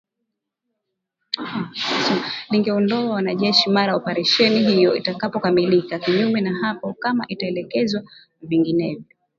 lingeondoa wanajeshi mara operesheni hiyo itakapokamilika kinyume na hapo kama itaelekezwa vinginevyo